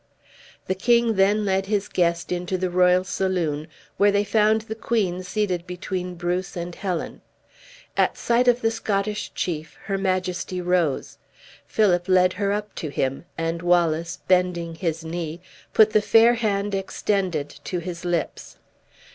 The king then led his guest into the royal saloon, where they found the queen seated between Bruce and Helen. At sight of the Scottish chief her majesty rose. Philip led him up to her; and Wallace, bending his knee, put the fair hand extended to his lips.